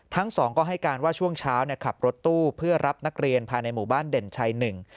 ทั้งสองก็ให้การว่าช่วงเช้าเนี่ยขับรถตู้เพื่อรับนักเรียนภายในหมู่บ้านเด่นชัยหนึ่ง